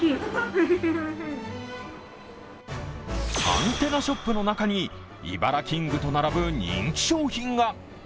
アンテナショップの中にイバラキングと並ぶ人気商品が。